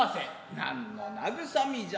何の慰みじゃ。